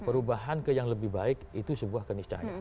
perubahan ke yang lebih baik itu sebuah keniscayaan